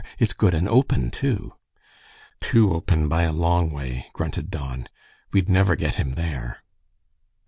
It's good and open, too." "Too open by a long way," grunted Don. "We'd never get him there."